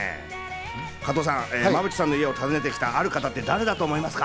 加藤さん、馬淵さんの家を訪ねて来たある方って誰だと思いますか？